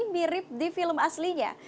mirip di film aslinya